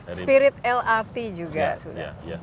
spirit lrt juga sudah